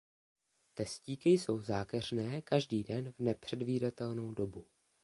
Testíky jsou zákeřně každý den v nepředvídatelnou dobu.